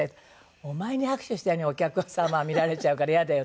「お前に拍手したようにお客様は見られちゃうからイヤだよ」